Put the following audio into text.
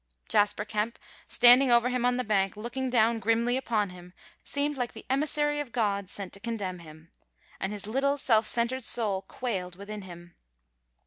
Jasper Kemp, standing over him on the bank, looking down grimly upon him, seemed like the emissary of God sent to condemn him, and his little, self centered soul quailed within him.